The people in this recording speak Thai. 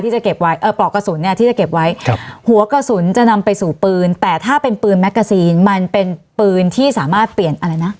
จะเก็บไว้เอ่อปลอกกระสุนเนี่ยที่จะเก็บไว้ครับหัวกระสุนจะนำไปสู่ปืนแต่ถ้าเป็นปืนแกซีนมันเป็นปืนที่สามารถเปลี่ยนอะไรนะ